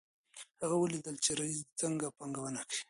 هغې ولیدل چې رییس څنګه پانګونه کوي.